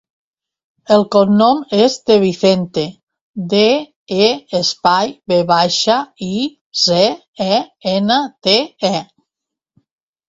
El cognom és De Vicente: de, e, espai, ve baixa, i, ce, e, ena, te, e.